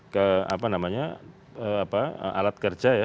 ke apa namanya alat kerja ya